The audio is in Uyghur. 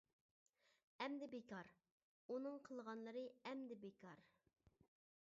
ئەمدى بىكار، ئۇنىڭ قىلغانلىرى ئەمدى بىكار.